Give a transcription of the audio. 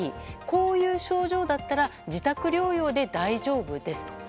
こういう症状なら自宅療養で大丈夫ですと。